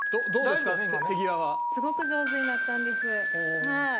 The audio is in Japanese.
すごく上手になったんですはい。